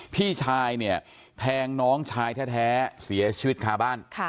พี่ชายเนี่ยแทงน้องชายแท้เสียชีวิตคาบ้าน